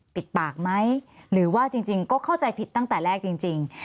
ปิดปากไหมหรือว่าจริงก็เข้าใจผิดตั้งแต่แรกจริง